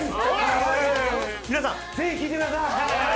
皆さんぜひ聴いてくださーい。